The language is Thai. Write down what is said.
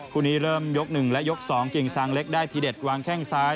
คู่นี้เริ่มยก๑และยก๒กิ่งซางเล็กได้ทีเด็ดวางแข้งซ้าย